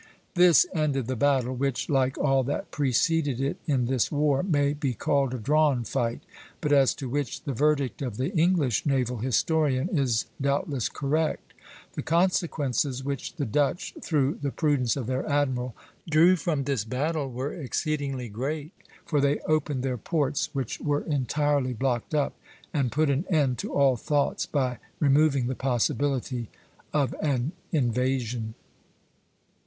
This ended the battle, which, like all that preceded it in this war, may be called a drawn fight, but as to which the verdict of the English naval historian is doubtless correct: "The consequences which the Dutch, through the prudence of their admiral, drew from this battle were exceedingly great; for they opened their ports, which were entirely blocked up, and put an end to all thoughts, by removing the possibility, of an invasion."